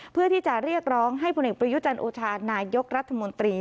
เพื่อที่จะเรียกร้องให้บริยุจรรย์โอชารณายกรัฐมนตรี